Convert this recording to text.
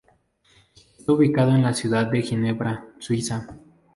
Está ubicado en la ciudad de Ginebra, Suiza.